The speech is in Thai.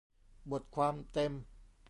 บทความเต็ม